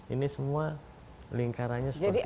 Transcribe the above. ini semua lingkarannya seperti itu